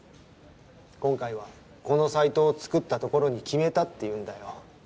今回はこのサイトを作ったところに決めたっていうんだよ。